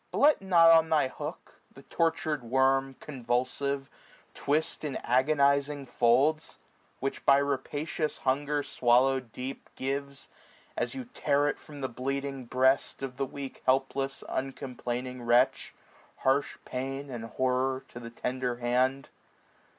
But let not on thy hook the tortur'd worm, 385 Convulsive, twist in agonizing folds ; Which, by rapacious hunger swallowM deep. Gives, as you tear it from the bleeding breast Of the weak helpless uncomplaining wretch. Harsh pain and horror to the tender hand.